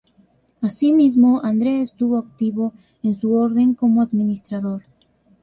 Asimismo Andrea estuvo activo en su orden como administrador.